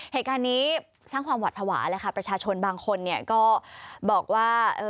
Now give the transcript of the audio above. เหตุการณ์นี้สร้างความหวัดผวาประชาชนบางคนก็บอกว่า